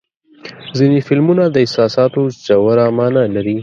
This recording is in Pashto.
ځینې فلمونه د احساساتو ژوره معنا لري.